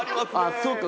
そうか。